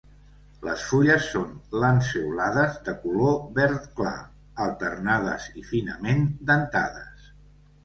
Les fulles són lanceolades de color verd clar, alternades i finament dentades.